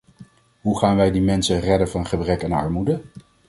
Hoe gaan wij die mensen redden van gebrek en armoede?